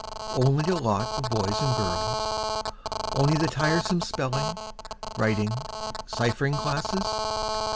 Only a lot of boys and girls? Only the tiresome spelling, writing, ciphering classes?